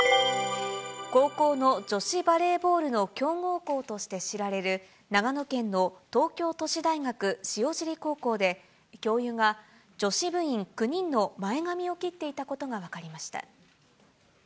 高校の女子バレーボールの強豪校として知られる、長野県の東京都市大学塩尻高校で、教諭が女子部員９人の前髪を切っていたことが分かりました。